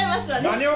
何を。